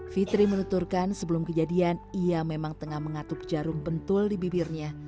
fitri menuturkan sebelum kejadian ia memang tengah mengatup jarum pentul di bibirnya